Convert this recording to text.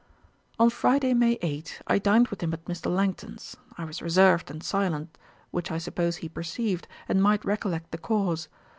On Friday, May 8, I dined with him at Mr. Langton's. I was reserved and silent, which I suppose he perceived, and might recollect the cause.